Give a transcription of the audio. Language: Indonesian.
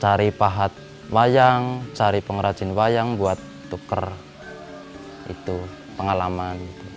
cari pahat wayang cari pengrajin wayang buat tuker itu pengalaman